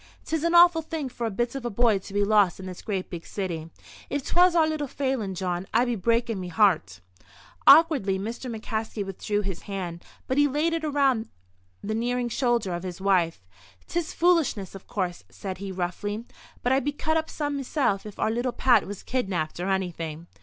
"'Tis an awful thing for a bit of a bye to be lost in this great big city. If 'twas our little Phelan, Jawn, I'd be breakin' me heart." Awkwardly Mr. McCaskey withdrew his hand. But he laid it around the nearing shoulder of his wife. "'Tis foolishness, of course," said he, roughly, "but I'd be cut up some meself if our little Pat was kidnapped or anything.